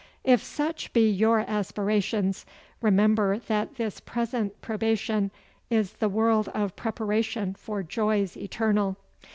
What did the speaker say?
If such be your aspirations, remember that this present probation is the world of preparation for joys eternal.